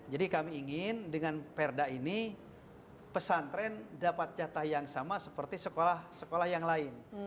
jadi kami ingin dengan perma pen blindly civil service dan baby infrastructure ini pesantren dapat hiasan yang sama dengan sekolah yang lain